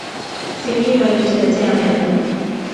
Simiyu alituletea meza.